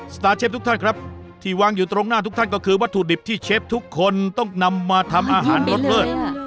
สตาร์เชฟทุกท่านครับที่วางอยู่ตรงหน้าทุกท่านก็คือวัตถุดิบที่เชฟทุกคนต้องนำมาทำอาหารรสเลิศ